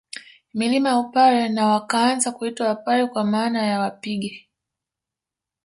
Milima ya Upare na wakaanza kuitwa Wapare kwa maana ya wapige